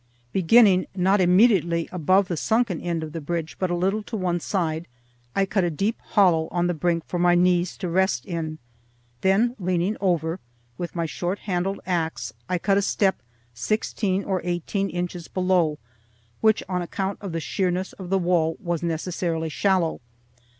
Beginning, not immediately above the sunken end of the bridge, but a little to one side, I cut a deep hollow on the brink for my knees to rest in. Then, leaning over, with my short handled axe I cut a step sixteen or eighteen inches below, which on account of the sheerness of the wall was necessarily shallow.